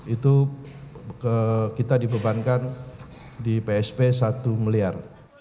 itu kita dibebankan di psp satu miliar